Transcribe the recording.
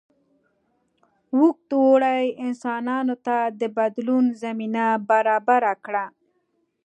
اوږد اوړي انسانانو ته د بدلون زمینه برابره کړه.